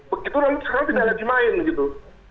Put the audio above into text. begitu sekarang tidak lagi main gitu